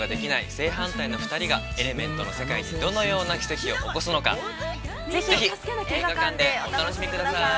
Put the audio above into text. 正反対の２人がエレメントの世界にどのような奇跡を起こすのかぜひ、映画館でお楽しみください！